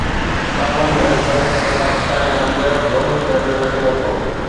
ڪمن wealth Games ۾ Pakistani رانديگر bronze medal کٽي ورتو